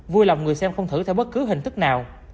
vui lòng người xem không thử theo bất cứ hình thức nào